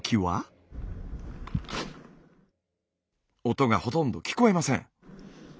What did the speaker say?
音がほとんど聞こえません。